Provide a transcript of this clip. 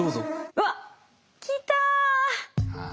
うわっ！来た蚊だ！